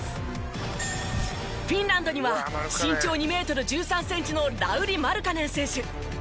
フィンランドには身長２メートル１３センチのラウリ・マルカネン選手。